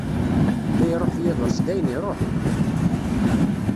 Ma iruḥ yiḍes, dayen iruḥ!